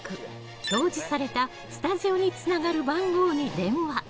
表示されたスタジオにつながる番号に電話。